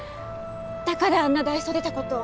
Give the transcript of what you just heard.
だからあんな大それた事を。